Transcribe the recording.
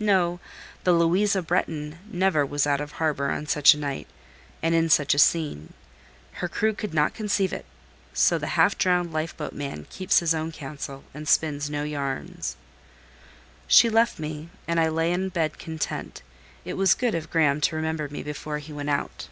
No, the "Louisa Bretton" never was out of harbour on such a night, and in such a scene: her crew could not conceive it; so the half drowned life boat man keeps his own counsel, and spins no yarns. She left me, and I lay in bed content: it was good of Graham to remember me before he went out.